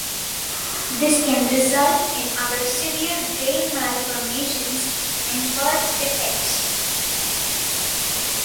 This can result in other severe brain malformations and birth defects.